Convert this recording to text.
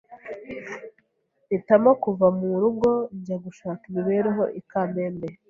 mpitamo kuva mu rugo njya gushaka imibereho I Kamembe,